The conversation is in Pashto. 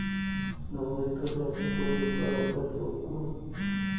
د هغوی د ترلاسه کولو لپاره هڅه وکړو.